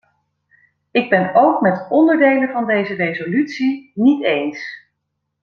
Ik ben ook met onderdelen van deze resolutie niet eens.